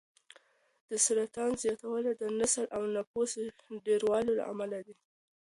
د سرطان زیاتوالی د نسل او نفوس ډېرېدو له امله دی.